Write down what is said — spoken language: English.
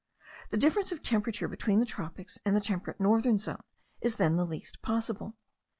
The difference of temperature between the tropics and the temperate northern zone is then the least possible.